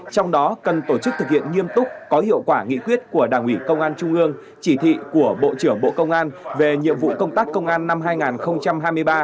trong đó cần tổ chức thực hiện nghiêm túc có hiệu quả nghị quyết của đảng ủy công an trung ương chỉ thị của bộ trưởng bộ công an về nhiệm vụ công tác công an năm hai nghìn hai mươi ba